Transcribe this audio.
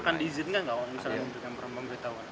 akan diizinkan nggak orang yang menerima pemberitahuan